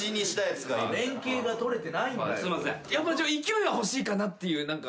勢いは欲しいかなっていう。